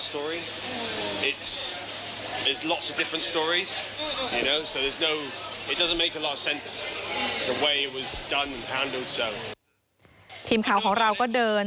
ทีมข่าวของเราก็เดิน